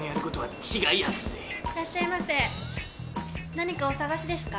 何かお探しですか？